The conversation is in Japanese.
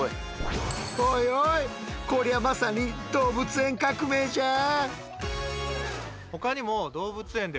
おいおいこりゃまさに動物園革命じゃあ！